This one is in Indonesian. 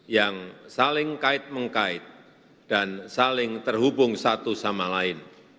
yang saling kait mengkait dan saling terhubung satu sama lain